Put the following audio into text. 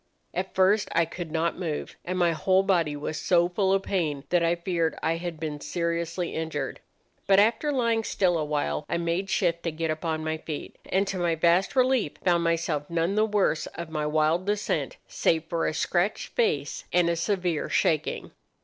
At first I could not move, and my whole body was so full of pain that I feared I had been seriously injured. But, after lying still awhile, I made shift to get upon my feet, and to my vast relief found myself none the worse of my wild descent, save for a scratched face and a severe shaking.